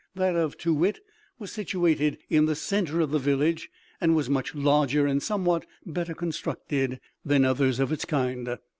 That of Too wit was situated in the centre of the village, and was much larger and somewhat better constructed than others of its kind.